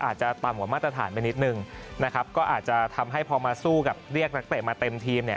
อาจจะต่ำกว่ามาตรฐานไปนิดนึงนะครับก็อาจจะทำให้พอมาสู้กับเรียกนักเตะมาเต็มทีมเนี่ย